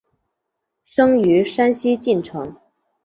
生于山西晋城。